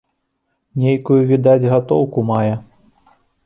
Нейкую, відаць, гатоўку мае.